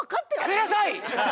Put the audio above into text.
やめなさい！